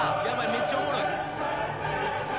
めっちゃおもろい。